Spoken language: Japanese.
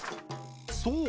そう！